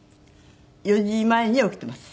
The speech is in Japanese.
４時前には起きています。